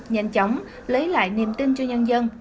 nhanh chóng lấy lại niềm tin cho nhân dân